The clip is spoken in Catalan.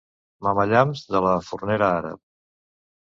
Mamellams de la fornera àrab.